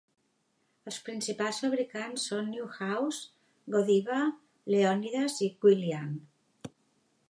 Els principals fabricants són Neuhaus, Godiva, Leonidas i Guylian.